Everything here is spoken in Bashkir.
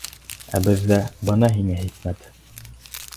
Ә беҙҙә — бына һиңә хикмәт!